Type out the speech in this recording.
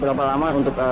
berapa lama untuk